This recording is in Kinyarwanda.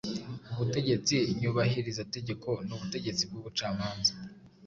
Ubutegetsi Nyubahirizategeko n’Ubutegetsi bw’Ubucamanza.